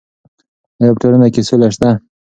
ایا په ټولنه کې سوله شته؟